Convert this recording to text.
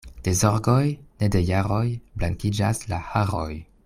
De zorgoj, ne de jaroj, blankiĝas la haroj.